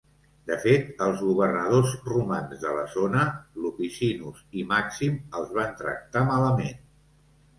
De fet, els governadors romans de la zona, Lupicinus i Màxim, els van tractar malament.